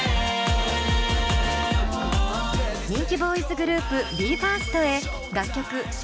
人気ボーイズグループＢＥ：ＦＩＲＳＴヘ楽曲